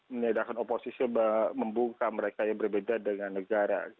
menyadarkan oposisi membuka mereka yang berbeda dengan negara